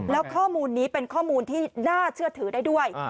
แล้วข้อมูลนี้เป็นข้อมูลที่น่าเชื่อถือได้ด้วย